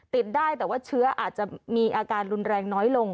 ติดได้แต่ว่าเชื้ออาจจะมีอาการรุนแรงน้อยลง